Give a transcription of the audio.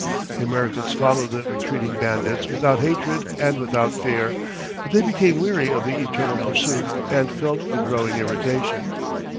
The Americans followed the retreating bandits without hatred and without fear. But they became weary of the eternal pursuit, and felt a growing irritation.